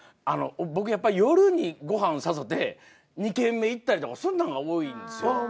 あの僕やっぱり夜にご飯誘て２軒目行ったりとかそんなんが多いんですよ。